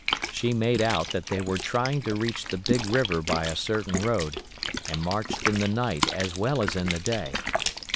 She made out that they were trying to reach the big river by a certain road, and marched in the night as well as in the day.